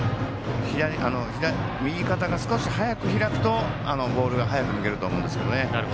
右肩が少し早く開くとボールが早く抜けると思うんですけどね。